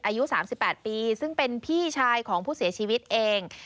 อายุ๓๘ปีซึ่งเป็นพี่ชายของผู้เสียชีวิตเอง